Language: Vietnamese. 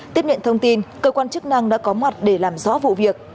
tiếp nhận thông tin cơ quan chức năng đã có mặt để làm rõ vụ việc